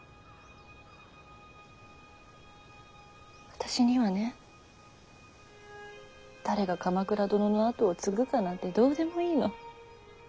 私にはね誰が鎌倉殿の跡を継ぐかなんてどうでもいいの。